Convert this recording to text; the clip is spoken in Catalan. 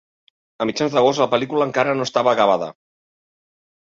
A mitjans d’agost la pel·lícula encara no estava acabada.